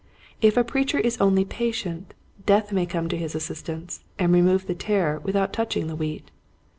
If a preacher is only patient, Death may come to his assistance, and remove the tare without touching the wheat.